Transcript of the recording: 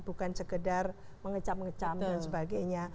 bukan sekedar mengecam ngecam dan sebagainya